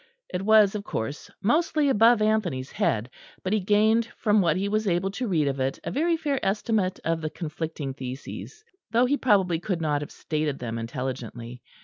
It was of course mostly above Anthony's head; but he gained from what he was able to read of it a very fair estimate of the conflicting theses, though he probably could not have stated them intelligibly.